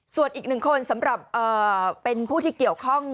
ส่วนอีกหนึ่งคนสำหรับเป็นผู้ที่เกี่ยวข้อง